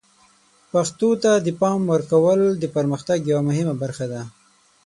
پښتو ته د پام ورکول د پرمختګ یوه مهمه برخه ده.